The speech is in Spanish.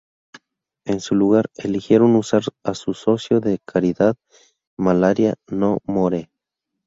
En su lugar eligieron usar a su socio de caridad "Malaria No More".